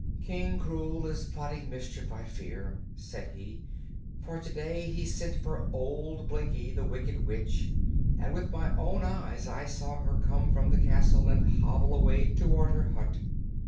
"King Krewl is plotting mischief, I fear," said he, "for to day he sent for old Blinkie, the Wicked Witch, and with my own eyes I saw her come from the castle and hobble away toward her hut.